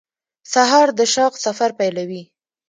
سهار د شوق سفر پیلوي.